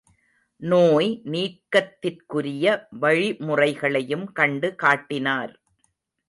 நோய் நீக்கத்திற்குரிய வழிமுறைகளையும் கண்டு காட்டினார்.